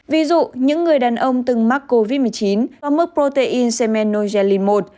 ví dụ những người đàn ông từng mắc covid một mươi chín có mức protein semenogellin một